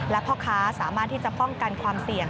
และพ่อค้าสามารถที่จะป้องกันความเสี่ยง